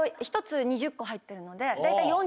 １つ２０個入ってるので大体。